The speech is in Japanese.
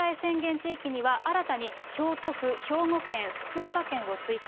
地域には新たに京都府、兵庫県、福岡県を追加。